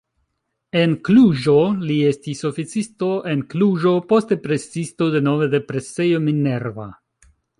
En Kluĵo li estis oficisto en Kluĵo, poste presisto denove de presejo Minerva.